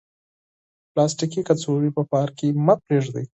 پلاستیکي کڅوړې په پارک کې مه پریږدئ.